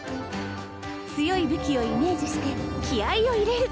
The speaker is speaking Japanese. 強い武器をイメージして気合いを入れる